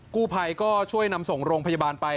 กู้ภัยก็ช่วยนำส่งโรงพยาบาลไป